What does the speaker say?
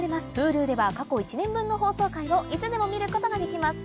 Ｈｕｌｕでは過去１年分の放送回をいつでも見ることができます